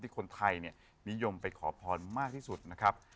คนไทยเนี่ยนิยมไปขอพรมากที่สุดนะครับ